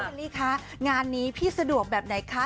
ลี่คะงานนี้พี่สะดวกแบบไหนคะ